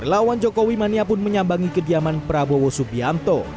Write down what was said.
relawan jokowi mania pun menyambangi kediaman prabowo subianto